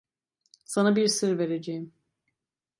Sana bir sır vereceğim.